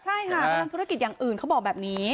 ใช่ค่ะกำลังธุรกิจอย่างอื่นเขาบอกแบบนี้